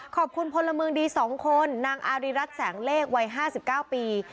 ขอบคุณพลเมืองดี๒คนนางอาริรัติแสงเลขวัย๕๙ปี